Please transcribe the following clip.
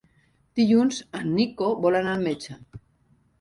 Dilluns en Nico vol anar al metge.